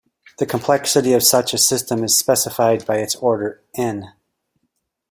The complexity of such a system is specified by its order "N".